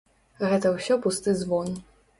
Гэта ўсё пусты звон.